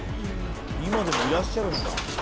今でもいらっしゃるんだ。